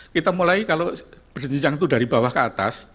kita mulai kalau berjenjang itu dari bawah ke atas